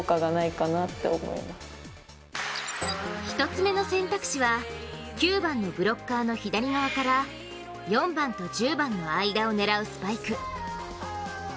１つ目の選択肢は９番のブロッカーの左側から４番と１０番の間を狙うスパイク。